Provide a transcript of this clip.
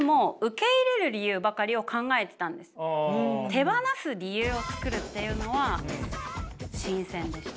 手放す理由を作るっていうのは新鮮でした。